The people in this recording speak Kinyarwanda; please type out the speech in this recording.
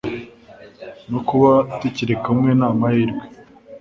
no kuba tukiri kumwe ni amamhirwe